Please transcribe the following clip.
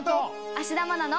芦田愛菜の。